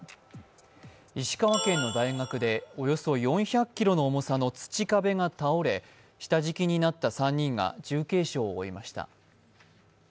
石川県の大学でおよそ４００ｋｇの重さの土壁が倒れ下敷きになった３人が重軽傷を負いました。